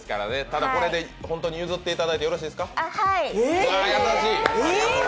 ただ、これで本当に譲っていただいてよろしいですか？